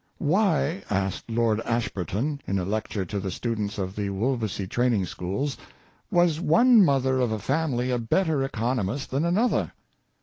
" Why," asked Lord Ashburton in a lecture to the students of the Wolvesey training schools, " was one mother of a family a better economist than another?